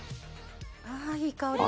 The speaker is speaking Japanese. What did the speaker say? ああいい香り。